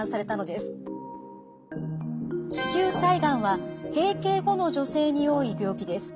子宮体がんは閉経後の女性に多い病気です。